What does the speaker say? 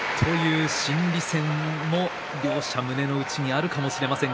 心理戦も両者胸の内にあるかもしれません。